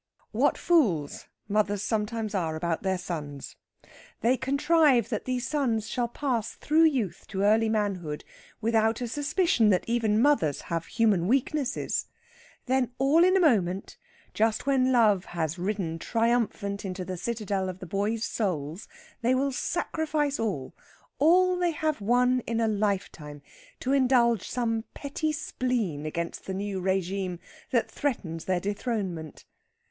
What fools mothers sometimes are about their sons! They contrive that these sons shall pass through youth to early manhood without a suspicion that even mothers have human weaknesses. Then, all in a moment, just when love has ridden triumphant into the citadel of the boys' souls, they will sacrifice all all they have won in a lifetime to indulge some petty spleen against the new régime that threatens their dethronement.